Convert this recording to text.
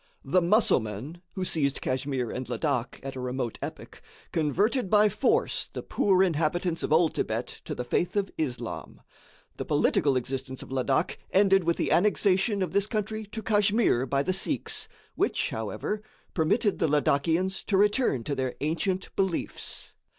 The Musselmen, who seized Kachmyr and Ladak at a remote epoch, converted by force the poor inhabitants of old Thibet to the faith of Islam. The political existence of Ladak ended with the annexation of this country to Kachmyr by the sëiks, which, however, permitted the Ladakians to return to their ancient beliefs.